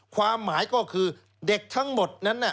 ความหมายก็คือเด็กทั้งหมดนั้น